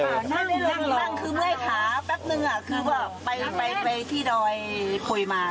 ตอนนั้นคือเมื่อยขาแป๊บนึงอ่ะคือว่าไปที่ดอยคุยมา